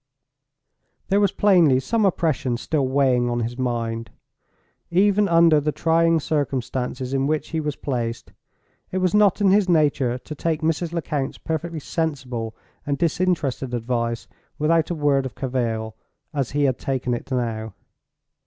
There was plainly some oppression still weighing on his mind. Even under the trying circumstances in which he was placed it was not in his nature to take Mrs. Lecount's perfectly sensible and disinterested advice without a word of cavil, as he had taken it now.